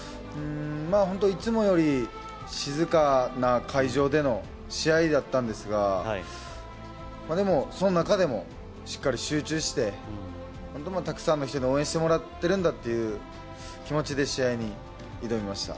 いつもより静かな会場での試合だったんですがでも、その中でもしっかり集中して本当にたくさんの人に応援してもらってるんだという気持ちで試合に挑みました。